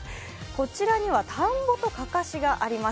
こちらには田んぼとかかしがあります。